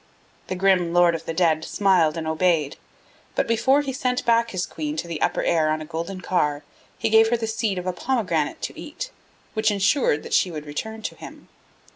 The grim lord of the Dead smiled and obeyed, but before he sent back his queen to the upper air on a golden car, he gave her the seed of a pomegranate to eat, which ensured that she would return to him.